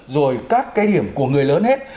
rồi các cái điểm của người lớn hết